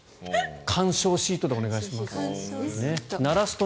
緩衝シートでお願いします。